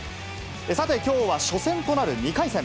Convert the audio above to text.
さてきょうは初戦となる２回戦。